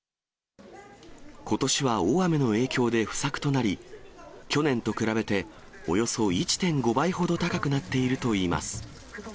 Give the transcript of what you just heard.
ことしは大雨の影響で不作となり、去年と比べておよそ１．５倍ほど高くなっているといいます。